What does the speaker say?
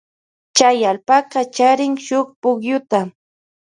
Chay allpaka charin shuk pukyuta.